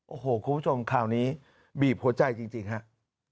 โอ้โหคุณผู้ชมคราวนี้บีบหัวใจจริงครับ